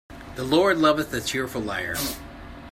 The Lord loveth a cheerful liar.